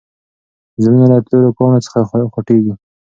زړونه له تورو کاڼو څخه خوټېږي.